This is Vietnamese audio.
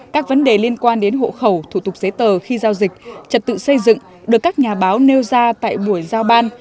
các vấn đề liên quan đến hộ khẩu thủ tục giấy tờ khi giao dịch trật tự xây dựng được các nhà báo nêu ra tại buổi giao ban